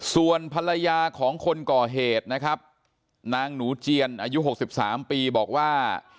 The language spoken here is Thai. ส่วนภรรยาของคนก่อเหตุนะครับนางหนูเจียนอายุ๖๓ปีบอกว่า